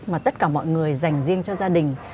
mà tất cả mọi người dành riêng cho gia đình